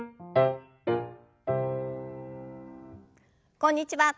こんにちは。